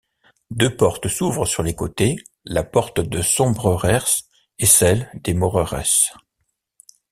Deux portes s’ouvrent sur les côtés, la porte de Sombrerers et celle des Moreres.